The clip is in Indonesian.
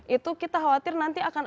itu kita khawatir nanti akan ada apa